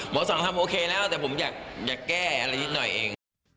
สองทำโอเคแล้วแต่ผมอยากแก้อะไรนิดหน่อยเอง